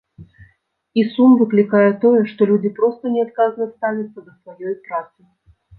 І сум выклікае тое, што людзі проста неадказна ставяцца да сваёй працы.